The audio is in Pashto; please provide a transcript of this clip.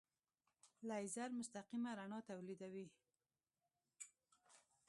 لیزر مستقیمه رڼا تولیدوي.